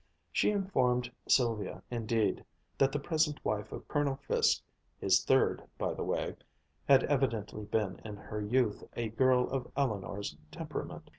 She informed Sylvia indeed that the present wife of Colonel Fiske his third, by the way had evidently been in her youth a girl of Eleanor's temperament.